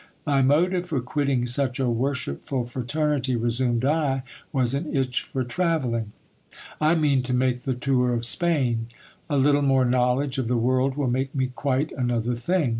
My motive for quitting such a worshipful fraternity, resumed I, was an itch for travelling. I mean to make the tour of Spain. A little more knowledge of the world will make me quite another thing.